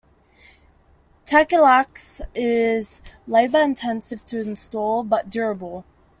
Tadelakt is labour-intensive to install, but durable.